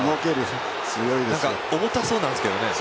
重たそうなんですけどね。